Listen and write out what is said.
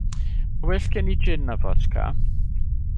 Mae well gen i jin na fodca.